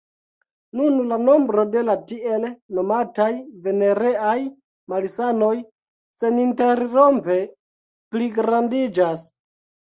Nun la nombro de la tiel nomataj venereaj malsanoj seninterrompe pligrandiĝas.